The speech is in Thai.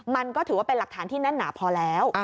มันก็ถือว่าเป็นหลักฐานที่แน่นหนาพอแล้ว